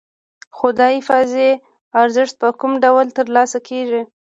خو دا اضافي ارزښت په کوم ډول ترلاسه کېږي